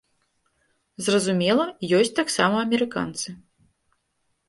Зразумела, ёсць таксама амерыканцы.